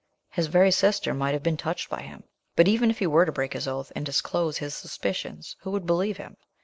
His very sister might have been touched by him. But even if he were to break his oath, and disclose his suspicions, who would believe him?